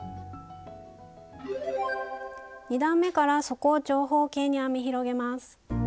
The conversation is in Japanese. ２段めから底を長方形に編み広げます。